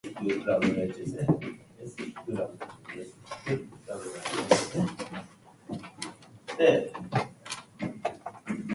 The most common allergies are peanuts, dairy, tree nuts, fish, shellfish, and eggs.